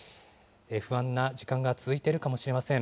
不安な時間が続いているかもしれません。